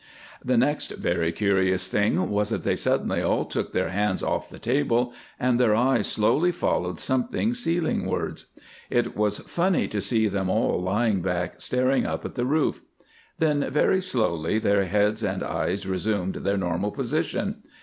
The next very curious thing was that they suddenly all took their hands off the table, and their eyes slowly followed something ceilingwards. It was funny to see them all lying back staring up at the roof. Then very slowly their heads and eyes resumed their normal position.